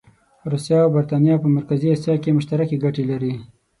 روسیه او برټانیه په مرکزي اسیا کې مشترکې ګټې لري.